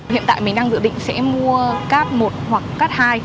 hiện tại mình đang dự định sẽ mua cat một hoặc cat hai